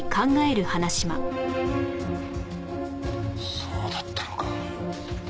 そうだったのか。